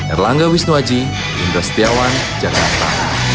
erlangga wisnuwaji industriawan jakarta